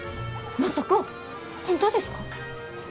まさか本当ですか？